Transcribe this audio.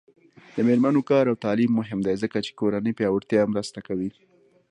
د میرمنو کار او تعلیم مهم دی ځکه چې کورنۍ پیاوړتیا مرسته ده.